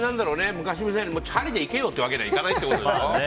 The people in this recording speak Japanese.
昔みたいにチャリで行けよってわけにはいかないわけでしょ。